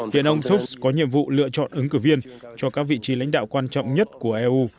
viện ông trump có nhiệm vụ lựa chọn ứng cử viên cho các vị trí lãnh đạo quan trọng nhất của eu